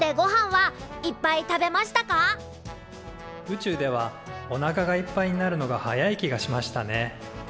宇宙ではおなかがいっぱいになるのが早い気がしましたね。